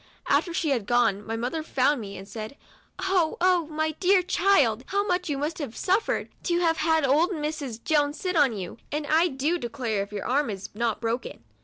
After she had gone, my mother found me, and said, " Oh, oh, my dear child ! how much you must have suffered, to have had old Mrs. Jones sit on you, and I do declare if your arm is not broken